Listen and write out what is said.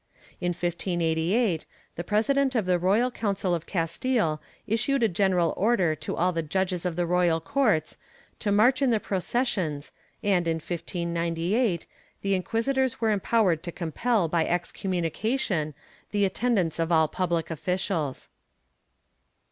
In 1588, the President of the Royal Council of Castile issued a general order to all the judges of the royal courts to march in the processions and, in 1598, the inquisitors were empowered to compel by ex communication the attendance of all public officials.